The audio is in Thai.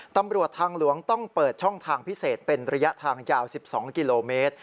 ตำรวจทางหลวงต้องเปิดช่องทางพิเศษเป็นระยะทางยาว๑๒กิโลเมตร